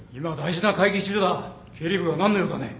今大事な会議中だ。